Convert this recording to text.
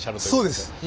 そうです。